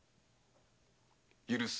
許す。